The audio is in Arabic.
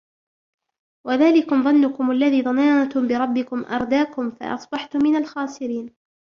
وَذَلِكُمْ ظَنُّكُمُ الَّذِي ظَنَنْتُمْ بِرَبِّكُمْ أَرْدَاكُمْ فَأَصْبَحْتُمْ مِنَ الْخَاسِرِينَ